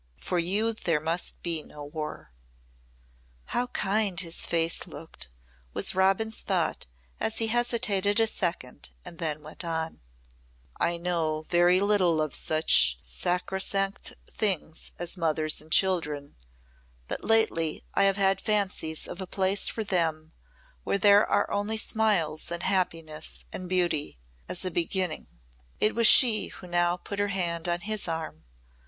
For you there must be no war." "How kind his face looked," was Robin's thought as he hesitated a second and then went on: "I know very little of such sacrosanct things as mothers and children, but lately I have had fancies of a place for them where there are only smiles and happiness and beauty as a beginning." It was she who now put her hand on his arm.